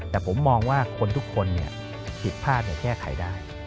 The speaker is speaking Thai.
แต่ผมมองว่าคนทุกคนผิดพลาดแก้ไขได้